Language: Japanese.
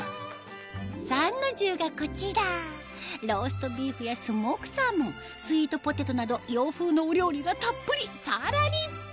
参の重がこちらローストビーフやスモークサーモンスイートポテトなど洋風のお料理がたっぷりさらに